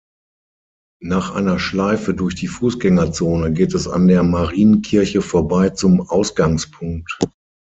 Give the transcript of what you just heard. Nach einer Schleife durch die Fußgängerzone geht es an der Marienkirche vorbei zum Ausgangspunkt.